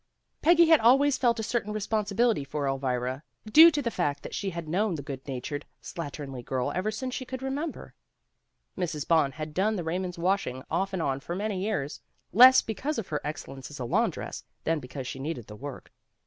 Peggy had always felt a certain responsibility for Elvira, due to the fact that she had known the good natured, slatternly girl ever since she could remember. Mrs. Bond had done the Raymonds ' washing, off and on for many years, less because of her excellence as a laundress, than because she needed the work.